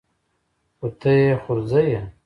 خو ته يې خورزه يې.